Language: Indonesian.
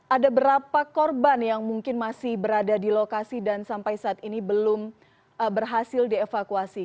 ada berapa korban yang mungkin masih berada di lokasi dan sampai saat ini belum berhasil dievakuasi